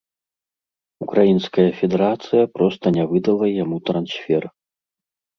Украінская федэрацыя проста не выдала яму трансфер.